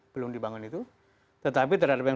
belum dibangun itu tetapi terhadap yang